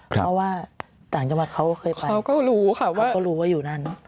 เพราะว่าต่างจังหวัดเขาก็เคยไปเขาก็รู้ว่าอยู่นั้น